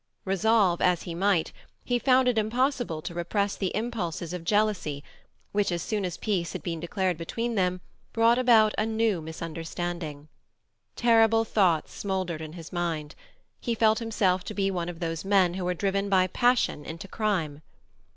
Resolve as he might, he found it impossible to repress the impulses of jealousy which, as soon as peace had been declared between them, brought about a new misunderstanding. Terrible thoughts smouldered in his mind; he felt himself to be one of those men who are driven by passion into crime.